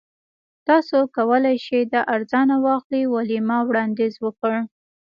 تاسو کولی شئ دا ارزانه واخلئ ویلما وړاندیز وکړ